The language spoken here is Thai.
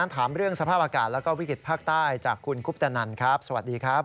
ถามเรื่องสภาพอากาศและวิกฤตภาคใต้จากคุณกุ๊บตะนันสวัสดีครับ